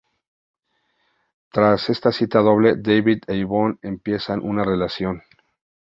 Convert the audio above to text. Tras esta cita doble, Davy e Yvonne empiezan una relación.